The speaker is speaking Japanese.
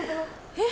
えっ？